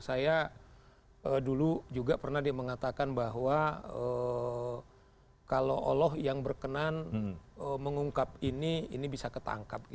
saya dulu juga pernah dia mengatakan bahwa kalau allah yang berkenan mengungkap ini ini bisa ketangkap